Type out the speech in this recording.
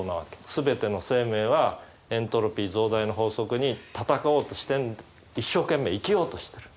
全ての生命はエントロピー増大の法則に戦おうとして一生懸命生きようとしてる。